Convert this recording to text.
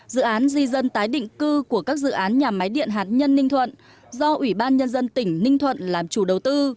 dự án di dân tái định cư của các dự án nhà máy điện hạt nhân ninh thuận do ủy ban nhân dân tỉnh ninh thuận làm chủ đầu tư